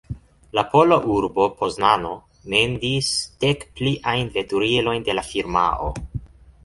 La pola urbo Poznano mendis dek pliajn veturilojn de la firmao.